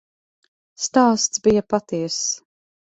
Stāsts bija patiess.